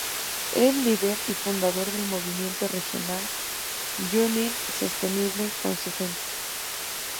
Es líder y fundador del Movimiento Regional Junín Sostenible con su Gente.